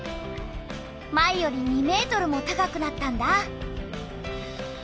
前より２ｍも高くなったんだ。